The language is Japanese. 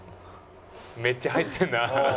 めっちゃ入ってんな。